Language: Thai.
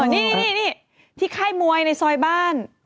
นี่ที่ค่ายมวยในซอยบ้าน